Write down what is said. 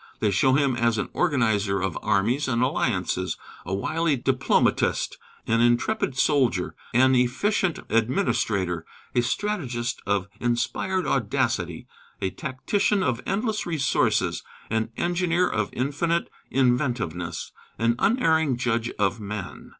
They show him as an organizer of armies and alliances, a wily diplomatist, an intrepid soldier, an efficient administrator, a strategist of inspired audacity, a tactician of endless resources, an engineer of infinite inventiveness, an unerring judge of men.